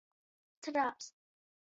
Trāps.